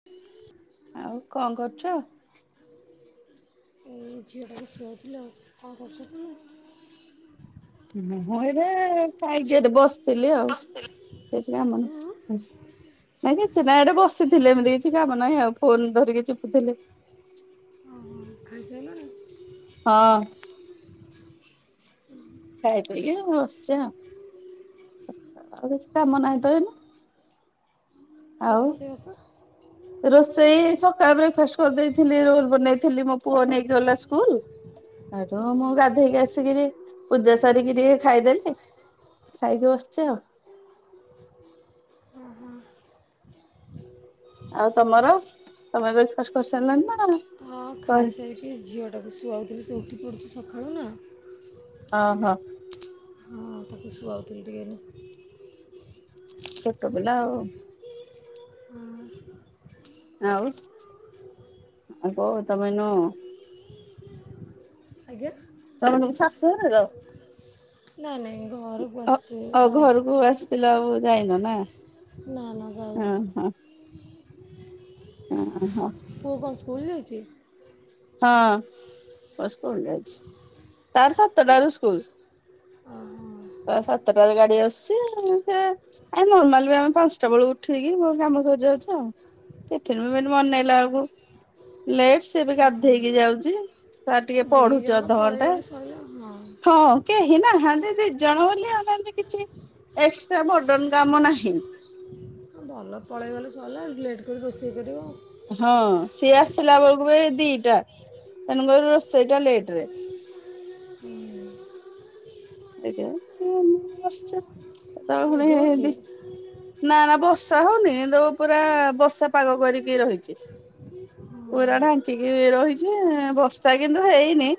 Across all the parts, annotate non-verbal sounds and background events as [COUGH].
[INAUDIBLE] ଆଉ କଣ କରୁଚ? ଏଇ ଝିଅଟାକୁ ଶୁଆଉଥିଲି ଆଉ, କଣ କରୁଚ ତୁମେ? ମୁଁ ଏଇଠି ଖାଇକି ଏଠି ବସିଥିଲି ଆଉ କିଛି କାମ ହୁଁ ନାହିଁ। ନାଇଁ କିଛି ନାଇଁ ଏଠି ବସିଥିଲି ଏମିତି କିଛି କାମ ନାହିଁ ଆଉ ଫୋନ ଧରିକି ଚିପୁଥିଲି। ହଁ-ହଁ ଖାଇସାଇଲଣି? ହଁ। ଖାଇପିଇକି ବସ୍ଚି ଆଉ। ଆଉ କିଛି କାମ ନାହିଁ ତ ଏଇନେ? ଆଉ ରୋଷେଇବାସ? ରୋଷେଇ ସକାଳ ବ୍ରେକ୍ଫାଷ୍ଟ କରିଦେଇଥିଲି ରୋଲ୍ ବନେଇଥିଲି ମୋ ପୁଅ ନେଇକି ଗଲା ସ୍କୁଲ୍। ସେଇଠୁ ମୁଁ ଗାଧେଇକି ଆସିକିରି ପୂଜା ସାରିକି ଟିକେ ଖାଇଦେଲି। ଖାଇକି ବସିଛି ଆଉ। ଓହୋ। ଆଉ ତମର ତମେ ବ୍ରେକ୍ ଫାଷ୍ଟ କରିସାରିଲଣି ନା? ହଁ କରି ଖାଇସାରିକି ଝିଅଟାକୁ ଶୁଆଉଥିଲି ସେ ଉଠି ପଡ଼ୁଛି ସକାଳୁ ନା। ଅ ହ। ହଁ ତାକୁ ଶୁଆଉଥଲି ଟିକେ। ଛୋଟପିଲା ଆଉ। ହଁ ଆଉ ଆ କଉ ତମେ ନୁ ଆଜ୍ଞା। ତମେ ତମ ଶାଶୁ ଘରେ ରହ? ନା ନାଇଁ। ଘରକୁ ଅ ଆସିଛି ଅ ର- ଘରକୁ ଆସିଥିଲ ଆଉ ଯାଇନ ନା? ନା ନା ହଁ ଯାଇନି। ଓ ହୋ। ପୁଅ କଣ ସ୍କୁଲ ଯାଉଚି? ହଁ ପୁଅ ସ୍କୁଲ ଯାଉଛି ତାର ସାତଟାରୁ ସ୍କୁଲ। ତା ସାତଟାରୁ ଗାଡି ଆସୁଛି ସେ ଏଇ ନର୍ମାଲ ବି ଆମେ ପାଞ୍ଚଟା ବେଳୁ ଉଠେଇକି ମୋର କାମ ସରିଯାଉଛି ଆଉ। ଟଫିନ୍ ବିଫିନ୍ ମନେଇଲା ବେଳକୁ ଲେଟ୍ ସେ ବି ଗାଧେଇକି ଯାଉଛି। ଛୁଆ ଟିକେ ଓହୋ ଦି ପଢୁଚି ଜଣ ଅଧଘଣ୍ଟେ ପଳେଇଗଲେ ସରିଲା ହଁ ହଁ। କେହି ନାହାନ୍ତି ଦି ଜଣ ବୋଲି ଆମେ ଏନ୍ତି କିଛି ଏକ୍ସଟ୍ରା ବଡନ୍ କାମ ନାହିଁ। ଭଲ ପଳେଇଗଲେ ସରିଲା ଲେଟ୍ କରିକି ରୋଷେଇ କରିବ। ହଁ ସିଏ ଆସିିଲା ବେଳକୁ ବି ଦିଟା ତେଣୁ କରି ରୋଷେଇଟା ଲେଟ୍ ରେ। ଏଇଥି ପାଇଁ [INAUDIBLE] ମେଘ ହେଉଛି ନା ନା ବର୍ଷା ହଉନି କିନ୍ତୁ ପୁରା ବର୍ଷା ପାଗ କରିକି ରହିଚି। ହଁ। ପୁରା ଢାଙ୍କିକି ରହିଛି ବର୍ଷା କିନ୍ତୁ ହେଇନି।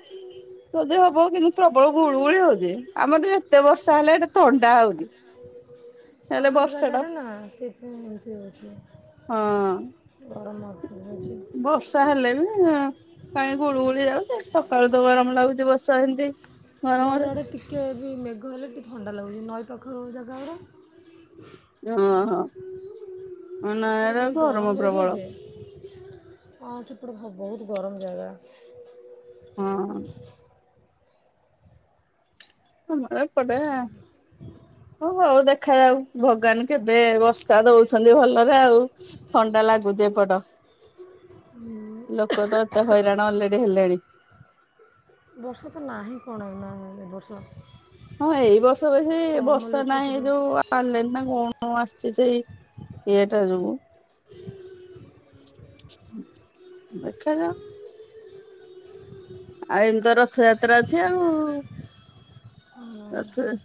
ଯଦି ହବ କିନ୍ତୁ ପ୍ରବଳ ଗୁଳୁଗୁଳି ହଉଛି ଆମର ତ ଏତେ ବର୍ଷା ହେଲେ ଏଟା ଥଣ୍ଡା ହଉନି। ହେଲେ ହାଡ଼ ବର୍ଷା ଟା ଜାଗାଟା ନା ସେଥିପାଇଁ ଏମିତି ହଁ ହେଉଛି ଗରମ ଅଧିକ ହଉଛି। ବର୍ଷା ହେଲେ ବି ପାଣି ଗୁଳୁଗୁଳି ଯାଉଛି ସକାଳୁ ତ ଗରମ ଲାଗୁଛି ବର୍ଷା ଏନ୍ତି ଆମ ଆଡ଼େ ଟିକେ ବି ମେଘ ହେଲେ ଟିକିେ ଥଣ୍ଡା ଲାଗୁଛି ନଈ ପାଖ ଜାଗା ଗୁଡା। ହଁ ହଁ ନା ସେପଟେ ଏରା ଭାରି ଗରମ ଏରିଆ ପ୍ରବଳ। ଯେ ହଁ ସେପଟେ ହଁ ବହୁତ ଗରମ ଜାଗା। ହଁ। ଆମର ଏପଟେ ଓ ହଉ ଦେଖାଯାଉ ଭଗବାନ କେବେ ବର୍ଷା ଦଉଛନ୍ତି ଭଲରେ ଆଉ। ଥଣ୍ଡା ଲାଗୁ ଯେ ଏପଟ। ହୁଁ। ଲୋକ ତ ଏତେ ହଇରାଣ ଅଲରେଡି ହେଲେଣି। ବର୍ଷା ତ ନାହିଁ କଣ ଏ ମାନେ ଏ ବର୍ଷ। ହଁ ଏଇ ବର୍ଷ ବେଶୀ କମ୍ ବର୍ଷା ଲୋକ ନାହିଁ ଥିଲେ ଏଇ ଯୋଉ ପାରିଲେନି ନା କଣ ଆସିଛି ଯେ ଏଇ ଇୟେଟା ଯୋଗୁ। ଦେଖାଯାଉ। ଆଉ ଏମିତ ରଥଯାତ୍ରା ଅଛି ଆଉ ରଥଯ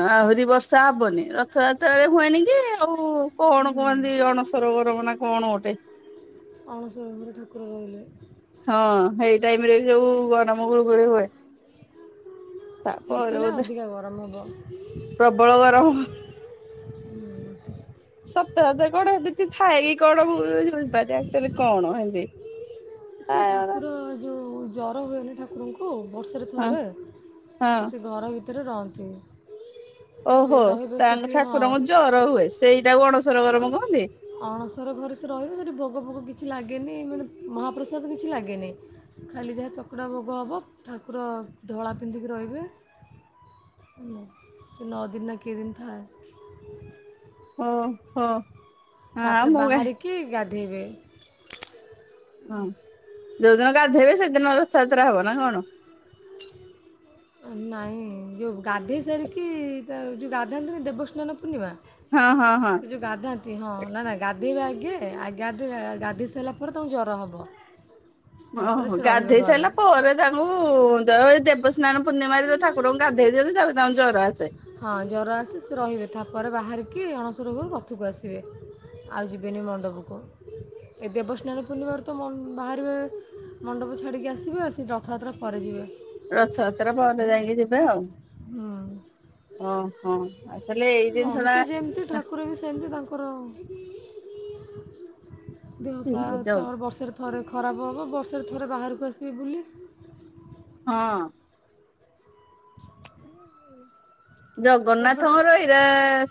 ନା ଆହୁରି ବର୍ଷା ହବନି ରଥଯାତ୍ରାରେ ହୁଏନି କି ଆଉ କଣ କୁହନ୍ତି ଅଣ ସ ସରବରଙ୍ଗ ନା କଣ ଗୋଟେ। ଅଣସରଭର ଠାକୁର ରହିଲେ। ହଁ ସେଇ ଟାଇମ ରେ ବି ସବୁ ଗରମ ଗୁଳୁଗୁଳି ହୁଏ। ତାପରେ ଏତେବେଳେ ବୋଧେ ଅଧିକା ଗରମ ହବ। ପ୍ରବଳ ଗରମ। ସତ କଥା କଣ ଏମିତି ଥାଏ କିି କଣ ମୁଁ ବି କିଛି ବୁଝିପାରେନି ଆକଚୁଆଲି କଣ ଏମତି। ସେ ଠାକୁର ଯୋଉ ଜର ହୁଏନି ଠାକୁର ଆଙ୍କୁ ବର୍ଷରେ ହଁ ଥରେ ହଁ ସେ ଘର ଭିତରେ ରହନ୍ତିନି ସେ ଓହୋ ରହିବ ତାଙ୍କ ସେଠି ହଁ ଠାକୁରଙ୍କୁ ଜର ହୁଏ ସେଇଟାକୁ ଅଣସର ହଁ। ଗରମ କହନ୍ତି। ଅଣସର ଘରେ ସେ ରହିବ ସେଠି ଭୋଗ ଭୋଗ କିଛି ଲାଗେନି ମାନେ ମହାପ୍ରସାଦ କିଛି ଲାଗେନେଇଁ। ଖାଲି ଯାହା ଚକୁଡ଼ା ଭୋଗ ହବ ଠାକୁର ଧଳା ପିନ୍ଧିକି ରହିବେ। ସେ ନଅ ଦିନ ନ କେ ଦିନ ଥାଏ। [INAUDIBLE] ହଁ ହଁ। ତାପରେ ମୁଁ କାଇଁ ବାହାରିକି ଗାଧେଇବେ। ହଁ ଯୋଉଦିନ ଗାଧେଇବେ ସେଦିନ ରଥଯାତ୍ରା ହବ ନା କଣ? ନାଇଁ ଯୋଉ ଗାଧେଇ ସାରିକି ତା ଯୋଉ ଗାଧାଆନ୍ତିନି ଦେବସ୍ନାନ ପୂର୍ଣ୍ଣିମା। ହଁ ହଁ ହଁ। ଏ ଯୋଉ ଗାଧାନ୍ତି ହଁ ନା ନା ଗାଧେଇବେ ଆଗେ ଆଗେ ଗାଧେଇବେ ଗାଧେଇ ସାରିଲା ପରେ ତାଙ୍କୁ ଜ୍ୱର ହେବ। [INAUDIBLE] ଓହୋ ଗାଧେଇ ସାରିଲା ପରେ ତାଙ୍କୁ ଦେବସ୍ନାନ ପୂର୍ଣ୍ଣିମାରେ ଯୋଉ ଠାକୁରଙ୍କୁ ଗାଧେଇ ଦିଅନ୍ତି ତାପରେ ତାଙ୍କୁ ଜର ଆସେ। ହଁ ଜର ଆସେ ସେ ରହିବେ ତାପରେ ବାହାରିକି ଅଣସର ଘରୁ ରଥକୁ ଆସିବେ। ଆଉ ଯିବେନି ମଣ୍ଡପକୁ ଏ ଦେବସ୍ନାନ ପୂର୍ଣ୍ଣିମା ରୁ ତ ମନ୍ ବାହାରିବେ। ମଣ୍ଡପ ଛାଡ଼ିକି ଆସିବେ ଆଉ ସେ ରଥଯାତ୍ରା ପରେଯିବେ। ରଥଯାତ୍ରା ପରେ ଯାଇକି ଯିବେ ଆଉ। ଓ ହଁ ତାହେଲେ ଏଇ ଜିନିଷ ମଣିଷ ଟା ଯେମିତି ଠାକୁର ବି ସେମିତି ତାଙ୍କର ଦେହ ପା ଇଏ ଯୋଉ ତାଙ୍କର ବର୍ଷରେ ଥରେ ଖରାପ ହେବ ବର୍ଷରେ ଥରେ ବାହାରକୁ ଆସିବେ ବୁଲି। ହଁ। ଏପଟେ ଜଗନ୍ନାଥଙ୍କର ଏଇରା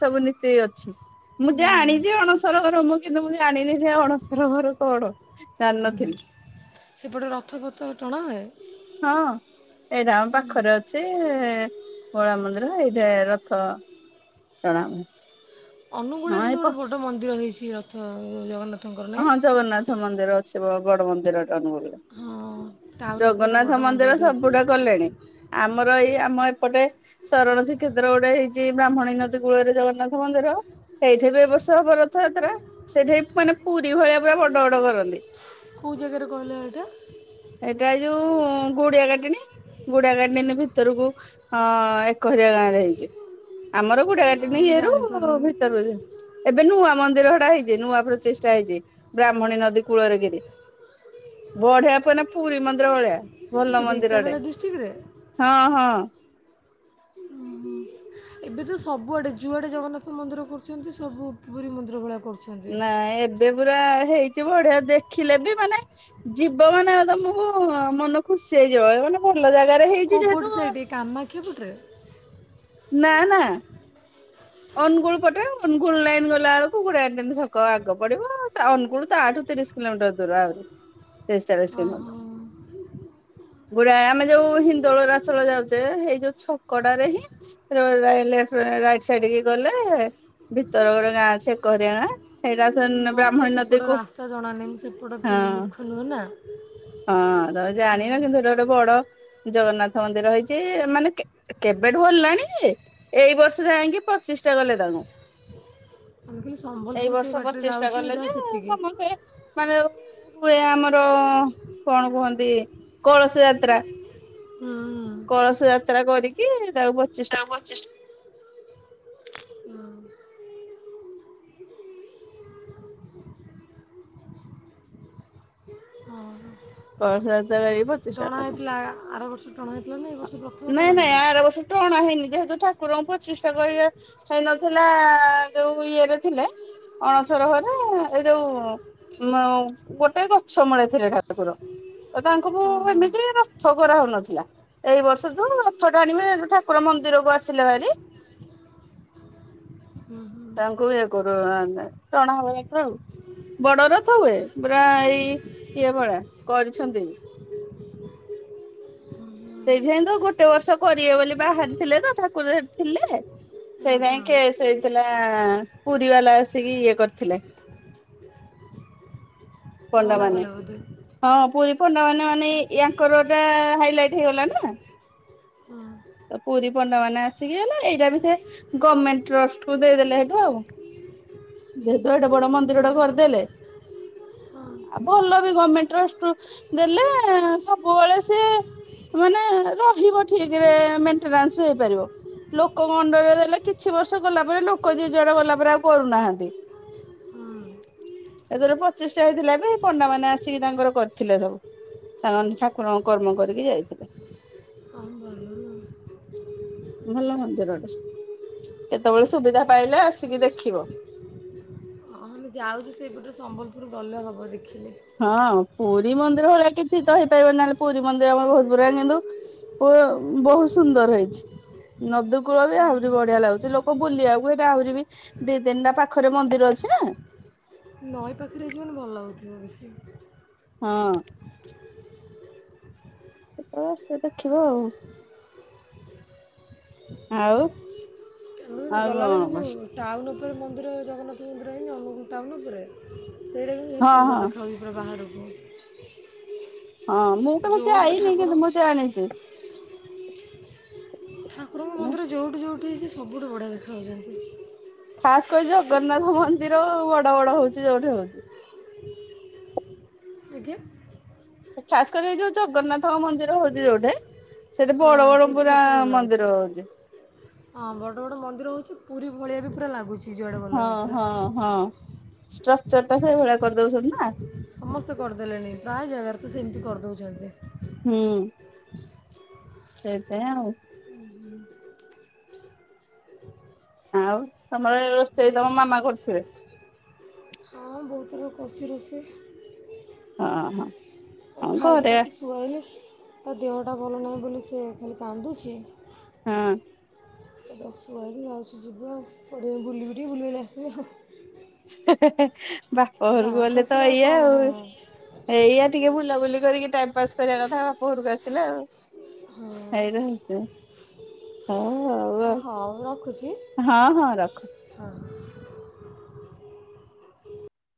ସବୁ ନୀତି ଅଛି। ମୁଁ ଜାଣିଛି ଅଣସର ଘର ମୁଁ କିନ୍ତୁ ମୁଁ ଜାଣିନି ସେ ଅଣସର ଘର କଣ? ହୁଁ ଜାଣିନଥିଲି ସେପଟେ ରଥପଥ ଟଣା ହୁଏ। ହଁ। ଏଇଟା ଆମ ପାଖରେ ଅଛି କଳା ମନ୍ଦିର ଏଇଟା ରଥ। ଚଣାମମ [UNINTELLIGIBLE] ଅନୁଗୂଳରେ କିନ୍ତୁ ଗୋଟେ ବଡ ମନ୍ଦିର ହେଇଚି ରଥ ଜଗନ୍ନାଥ ହଁ ଜଗନ୍ନାଥ ମନ୍ଦିର ଅଛି ବଡ ମନ୍ଦିର। [UNINTELLIGIBLE] ହଁ ଟାଉନ୍ ଉପରେ ଗୋଟେ ଜଗନ୍ନାଥ ବଡ଼ ମନ୍ଦିର ମନ୍ଦିରଟେ ହେଇଛି ସବୁଡା କଲେଣି। ଆମର ଏଇ ଆମ ଏପଟେ। ଶରଣ ସୀକ୍ଷେତ୍ର ଗୋଟେ ହେଇଚି ଏଇ ବ୍ରାହ୍ମଣୀ ନଦୀ କୂଳରେ ଜଗନ୍ନାଥ ମନ୍ଦିର। ଏଇଠି ବି ଏ ବର୍ଷ ହବ ରଥଯାତ୍ରା ସେଇଠି ମାନେ ପୁରୀ ଭଳିଆ ପୁରା ବଡ ବଡ କରନ୍ତି। କେଉଁ ଜାଗାରେ କହିଲେ ଏଇଟା ଏଇଟା ଏ ଯୋଉ ଗୁଡିଆ କାଟେଣୀ ଗୁଡିଆ କାଟେଣି ଭିତରକୁ ଅ ଖଇରିଆ ଗାଁ ରେ ହେଇଚି ଆମର ନା ଗୁଡାଆକାଟେଣି ମୁଁ ଇଏରୁ ଜାଣିପାରୁନି ଭିତରୁଆ। ଏବେ ନୂଆ ମନ୍ଦିର ହେଟା ହେଇଚି ନୂଆ ପ୍ରଚିଷ୍ଟା ହେଇଚି ବ୍ରାହ୍ମଣୀ ନଦୀ କୂଳରେ କିନି। ବଢିଆ ମାନେ ପୁରୀ ମନ୍ଦିର ଭଳିଆ ଭଲ ମନ୍ଦିର ଟେ। ଡିଷ୍ଟ୍ରିକ୍ ରେ। ହଁ ହଁ। ହୁଁ ହୁଁ। ଏବେ ତ ସବୁଆଡ଼େ ଯୁଆଡ଼େ ଜଗନ୍ନାଥ ମନ୍ଦିର କରୁଛନ୍ତି ସବୁ ପୁରି ମନ୍ଦିର ଭଳିଆ କରୁଛନ୍ତି। ନାଇ ଏବେ ପୁରା ହେଇଚି ବଢିଆ ଦେଖିଲେ ବି ମାନେ ଯିବ ମାନେ ଆଉ ତମୁକୁ ମନ ଖୁସି ହେଇଯିବ ମାନେ ଭଲ ଜାଗାରେ ହେ କୋଉ ପଟ ସାଇଟ? କାମାକ୍ଷାପଟରେ ନା ନା। ଅନୁଗୁଳ ପଟେ, ଅନୁଗୁଳ ଲାଇନ୍ ଗଲାବେଳକୁ [UNINTELLIGIBLE] ଛକ ଆଗ ପଡିବ, ଅନୁଗୁଳ ତାଆଠୁ ତିରିଶ କିଲୋମିଟର ଦୂର ଆହୁରି। ତିରିଶି ଚାଲିଶି ହଁ ହଁ କିଲୋମିଟର। ଗୁଡାଏ ଆମେ ଯୋଉ ହିନ୍ଦୋଳ ରାସଳ ଯାଉଛେ ଏଇ ଯୋଉ ଛକଟାରେ ହିଁ ର ଲ ରାଇଟ ସାଇଡ କି ଗଲେ ଭିତର ଗୋଟେ ଗାଁ ଅଛି ଏକଘରିଆ ଗାଁ, ସେଇଟା ମୋତେ ବ୍ରାହ୍ମଣୀ ସେପଟ ନଦୀକୁୁ, ହଁ ନୁଅ ନା ହଁ ତମେ ଜାଣିନ, କିନ୍ତୁ ହେଟେ ଗୋଟେ ବଡ ଜଗନ୍ନାଥ ମନ୍ଦିର ହେଇଛି ମାନେ କେବେଠୁ ହେଲାଣି ଯେ ଏଇ ବର୍ଷ ଯାଇଁକି ପଚିଷ୍ଟା କଲେ ତାଙ୍କୁ। ମୁଁ କହିଲି ଏଇ ସମ୍ବଲପୁର ସେଇ ବର୍ଷ ବାଟରେ ପ୍ରଚେଷ୍ଟା ଯାଉଛୁ କଲେ ଯେ ଯାହା ସେତିକି। ସମସ୍ତେ ମାନେ ହୁଏ ଆମର କଣ କୁହନ୍ତି କଳସ ଯାତ୍ରା। ହୁଁ କଳସ ଯାତ୍ରା କରିକି ତାକୁ ପଚି ଶିଟା [UNINTELLIGIBLE] ହଁ କଳସ ଯାତ୍ରା କରିକି ଟଣା ପଚିଶଟା ହେଇଥିଲା ଆର ବର୍ଷ ଟଣା ହେଇଥିଲା ନା ଏ ବର୍ଷ ପ୍ରଥମେ ନାଇଁ ଟଣା ନାଇଁ ହବ। ଆର ବର୍ଷ ଟଣା ହେଇନି ଯେହେତୁ ଠାକୁରଙ୍କୁ ପ୍ରଚିଷ୍ଟା କରିବେ ହେଇନଥିଲା ଯୋଉ ଇଏରେ ଥିଲେ ଅଣସରଘରେ ଏଇ ଯୋଉ ଉ ମ ଗୋଟେ ଗଛ ମୂଳେ ଥିଲେ ଠାକୁ ଠାକୁର, ତ ତାଙ୍କୁ ହଁ ହଁ ହୁଁ, ଏମିତି ରଥ କରା ହଉନଥିଲା, ଏଇ ବର୍ଷ ତ ରଥ ଟାଣିବେ ହେଟୁ ଠାକୁର ମନ୍ଦିର କୁ ଆସିଲେ ଭାରି। ହୁଁ, ହୁଁ। ତାଙ୍କୁ ଇଏ କରୁ ଟଣା ହବା କଥା ଆଉ। ବଡରଥ ହୁଏ, ପୁରା ଏଇ ଇଏ ଭଳିଆ କରିଛନ୍ତି ସେଇଥିଇଁ ତ ଗୋଟେ ବର୍ଷ କରିବେ ବୋଲି ବାହାରିଥିଲେ ତ, ଠାକୁର ହେଠି ଥିଲେ। ସେଇଥିପାଇଁ ହୁଁ। କେସ ହେଇଥିଲା ପୁରୀ ବାଲା ଆସିକି ଇଏ କରିଥିଲେ। ପଣ୍ଡା ମନା ମାନେ। କଲେ ବୋଧେ ହଁ ପୁରୀ ପଣ୍ଡା ମାନେ ମାନେ ୟାଙ୍କର ଟା ହାଇଲାଇଟ ହେଇଗଲା ନା। ହଁ। ତ ପୁରୀ ପଣ୍ଡା ମାନେ ଆସିକି ହେଲା ଏଇଟା ବି ସେ ଗମେଣ୍ଟ ଟ୍ରଷ୍ଟକୁୁ ଦେଇଦେଲେ ହେଠୁ ଆଉ। ଯେହେତୁ ଏଡେ ବଡ ମନ୍ଦିର ଟେ କରିଦେଲେ ଆଉ ଭଲ ବି ଗର୍ମେଣ୍ଟ ଟ୍ରଷ୍ଟ ରୁ ଦେଲେ ସବୁବେଳେ ସିଏ ମାନେ ରହିବ ଠିକରେ, ମେଣ୍ଟେନାସ ବି ହେଇପାରିବ। ଲୋକ ମଣ୍ଡରେ ଦେଲେ କିଛି ବର୍ଷ ଗଲା ପରେ ଲୋକ ଯିଏ ଯୁଆଡେ ଗଲା ପରେ ଆଉ କରୁନାହାନ୍ତି। [UNINTELLIGIBLE] ଏଥର ପଚିଷ୍ଟା ହେଇଥିଲା ବି, ହେଇ ପଣ୍ଡାମାନେ ଆସିକି ତାଙ୍କର କରିଥିଲେ ସବୁ। ତାମାନେ ଠାକୁରଙ୍କ କର୍ମ କରିକି ଯାଇଥିଲେ। ଆମ ଭଲ। ଭଲ ମନ୍ଦିରଟେ, କେତେବେଳେ ସୁବିଧା ପାଇଲେ ଆସିକି ଦେଖିବ। ହଁ ଆମେ ଯାଉଛୁ ସେଇପଟେ ସମ୍ବଲପୁର, ଗଲେ ହବ ଦେଖିଲେ। ହଁ ପୁରୀ ମନ୍ଦିର ଭଳିଆ କିଛି ତ ହେଇପାରିବ ନି, ନହେଲେ ପୁରୀ ମନ୍ଦିର ଆମର ବହୁତ ପୁରା କିନ୍ତୁ ପ ବହୁତ ସୁନ୍ଦର ହେଇଛି। ନଦୀକୂଳ ବି ଆହୁରି ବଢିଆ ଲାଗୁଛି, ଲୋକ ବୁଲିବାକୁ ହେଇଟା ଆହୁରି ବି ଦି ତିନିଟା ପାଖରେ ମନ୍ଦିର ଅଛି ନା। ନଈ ପାଖରେ ହେଇଚି ମାନେ ଭଲ ଲାଗୁଥିବ ବେଶୀ। ହଁଅଁ କେତେବେଳେ ଆସ ଦେଖିବ ଆଉ। ଆଉ ତ ଆଉ ଆଉ ଗଲାବେଳେ ଯେ କଣ କ ଯଉ ଟାଉନ ଉପରେ ମନ୍ଦିର ଜଗନ୍ନାଥ ମନ୍ଦିର ହେଇନି ଅନୁଗୁଳ ଟାଉନ ଉପରେ। ସେଇଟା ବି [UNINTELLIGIBLE] ହଁ ସୁନ୍ଦର ହଁ ଦେଖାଯାଉଛି ପୁରା ବାହାରକୁ। ହଁ ମୁଁ କେମତି ଯେଉଁଠି ତ ଆଇନି ଠାକୁର କିନ୍ତୁ ମୁଁ ଜାଣିଛି। ଠାକୁରଙ୍କ ମନ୍ଦିର ଯଉଁଠି, ଯଉଁଠି ହେଇଛି ସବୁଠୁ ବଢ଼ିଆ ଦେଖାଯାଉଛନ୍ତି। ଖାସ କରି ଜଗନ୍ନାଥ ମନ୍ଦିର ବଡ ବଡ ହଉଛି ଯୋଉଠେ ହଉଛି। ଆଜ୍ଞା। ଖାସ କରି ଏଇ ଯୋଉ ଜଗନ୍ନାଥଙ୍କ ମନ୍ଦିର ହଉଛି ଯୋଉଢ଼େ ସେଠି ହଁ ବଡ ବଡ ସେଇଠି ପୁରା ବେଶୀ ଭଲ ଲାଗୁଛି ମନ୍ଦିର ହଉଚି। ହଁ ବଡ଼ ବଡ଼ ମନ୍ଦିର ହେଉଛି ପୁରୀ ଭଳିଆ ବି ପୁରା ଲାଗୁଛି ଯୁଆଡ଼େ ହଁ ଗଲା ହଁ ବେଳକୁ ପୁରା ହଁ ଷ୍ଟ୍ରକ୍ଚର ଟା ସେଇଭଳିଆ କରିଦଉଛନ୍ତି ନା? ସମସ୍ତେ କରିଦେଲେଣି ପ୍ରାୟ ଜାଗାରେ ତ ସେମିତି କରିଦେଉଛନ୍ତି। ହୁଁ। ସେଇଥି ପାଇଁ ଆଉ ହୁଁ ହୁଁ। ଆଉ ତମର ରୋଷେଇ ତମ ମାମା କରିୁଥିବେ? ହଁ ବୋହୁତ ଆ କରୁଚି ରୋଷେଇ ହଁ ହଁ ହଁ ଖାଇକି ଘରେ ତାକୁ ସୁଆଇଲି ତା ଦେହଟା ଭଲ ନାହିଁ ବୋଲି ସେ ଖାଲି କାନ୍ଦୁଛି। ହଁ। ଏ ବସି ପଡ଼ିଲି ଆଉ, ଯାଉଛି ଯିବା କୋଉଠି କୁଆଡେ ବୁଲିବି ଟିକେ ବୁଲି ବାଲି ଆସିବା। ହେଁ ହେଁ ବାପ ଘରକୁ ଗାଁକୁ ଗଲେ ତ ଆସିଲେ ଏଇଆ କ'ଣ ଆଉ ହଁ ଏଇୟା ଟିକେ ବୁଲାବୁଲି କରିକି ଟାଇମ ପାସ୍ କରିବା କଥା ବାପଘରକୁ ଆସିଲା ଆଉ ହେଇରା [UNINTELLIGIBLE] ହଉ ହଁ ହଉ ରଖୁଛି ହଁ ହଁ ରଖ। ହଁ